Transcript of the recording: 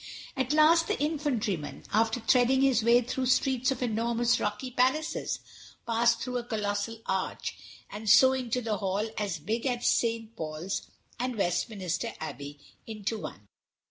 At last the Infantryman, after threading his way through streets of enormous rocky palaces, passed through a colossal arch, and so into a hall as big as St. Paul's and Westminster Abbey into one.